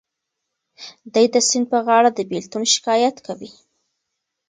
دی د سیند په غاړه د بېلتون شکایت کوي.